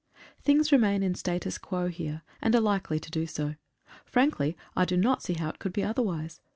HINGS remain in statu quo here, and are likely to do so. Frankly, I do not see how it could be otherwise.